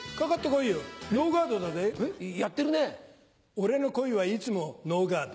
俺の恋はいつもノーガード。